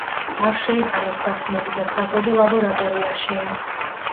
არ შეიტანო სასმელი და საკვები ლაბორატორიაში.